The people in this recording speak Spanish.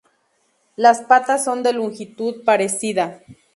Las patas son de longitud parecida.